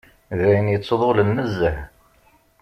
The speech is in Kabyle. D ayen yettḍulen nezzeh